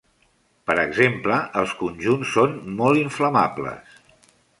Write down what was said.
Per exemple, els conjunts són molt inflamables.